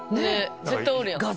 絶対おるやん。